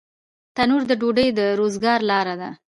تنور د ډوډۍ د روزګار لاره ده